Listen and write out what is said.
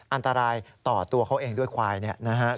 อันตรายต่อตัวเขาเองด้วยควายเนี่ยนะครับ